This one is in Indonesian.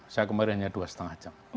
saya kemarin hanya dua lima jam